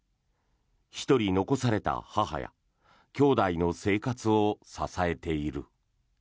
１人残された母や兄弟の生活を支えている。